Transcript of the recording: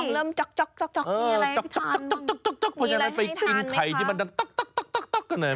เพราะฉะนั้นเราไปกินไข่ที่มันตกก่อนแน่ไหม